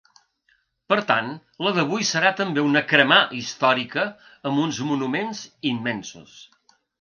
Per tant, la d’avui serà també una cremà històrica amb uns monuments immensos.